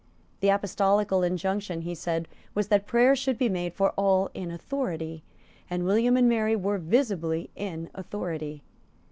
The apostolical injunction, he said, was that prayers should be made for all in authority, and William and Mary were visibly in authority.